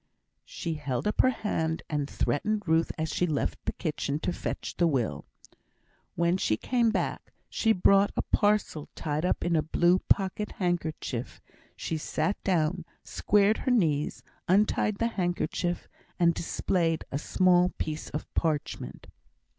She held up her hand, and threatened Ruth as she left the kitchen to fetch the will. When she came back, she brought a parcel tied up in a blue pocket handkerchief; she sat down, squared her knees, untied the handkerchief, and displayed a small piece of parchment.